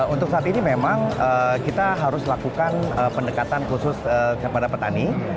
untuk saat ini memang kita harus lakukan pendekatan khusus kepada petani